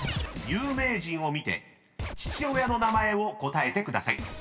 有名人を見て父親の名前を答えてください］